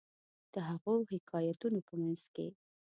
د هغو حکایتونو په منځ کې.